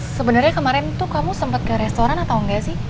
sebenarnya kemarin tuh kamu sempet ke restoran atau enggak sih